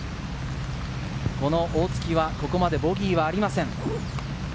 この大槻はここまでボギーはありません。